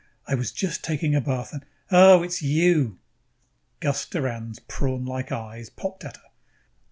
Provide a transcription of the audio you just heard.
I was just taking a bath and Oh. It's you." Gus Doran's prawnlike eyes popped at her.